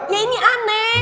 ya ini aneh